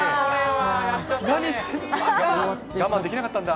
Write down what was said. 我慢できなかったんだ。